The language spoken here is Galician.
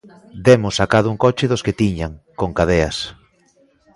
Demos sacado un coche dos que tiñan, con cadeas.